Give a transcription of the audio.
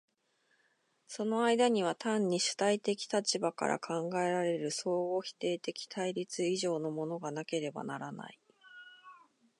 その間には単に主体的立場から考えられる相互否定的対立以上のものがなければならない。